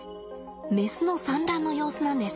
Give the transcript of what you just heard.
メスの産卵の様子なんです。